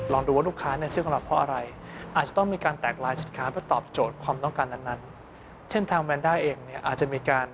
ลองดูว่าลูกค้าซื่อของเราเพราะอะไร